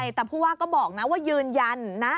แต่ผู้ว่าก็บอกนะว่ายืนยันนะ